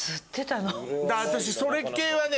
私それ系はね。